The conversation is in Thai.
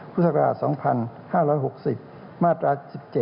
พุทธศักราช๒๕๖๐มาตรา๑๗